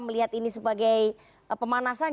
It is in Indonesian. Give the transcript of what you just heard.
melihat ini sebagai pemanasan